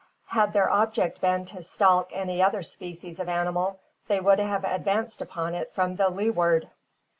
Had their object been to stalk any other species of animal, they would have advanced upon it from the leeward.